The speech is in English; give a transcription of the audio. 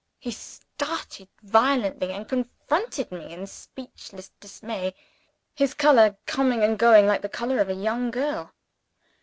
He started violently and confronted me in speechless dismay; his color coming and going like the color of a young girl.